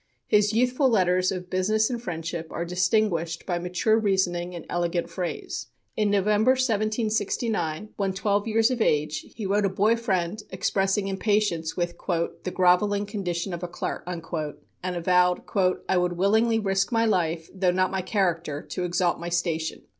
His youthful letters of business and friendship are distinguished by mature reasoning and elegant phrase. In November, 1769, when twelve years of age, he wrote a boy friend expressing impatience with "the grovelling condition of a clerk," and avowed: "I would willingly risk my life, though not my character, to exalt my station."